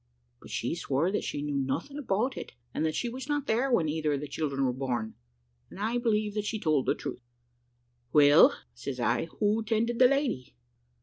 But she swore that she knew nothing about it, and that she was not there when either of the children were born, and I believe that she told the truth. `Well,' says I, `who tended the lady?'